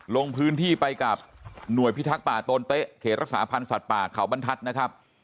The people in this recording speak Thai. ลงพื้นที่ไปกับหน่วยพิทักษ์ป่าโตนเต๊ะเขตรักษาพันธ์สัตว์ป่าเขาบรรทัศน์นะครับ